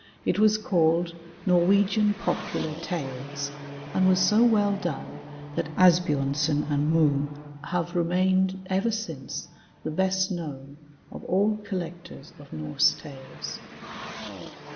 It was called Norwegian Popular Tales, and was so well done that Asb jorsen and Moe have remained ever since the best known of all collectors of Norse Tales.